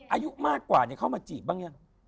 อายุมากกว่าเข้ามาจีบบ้างยัง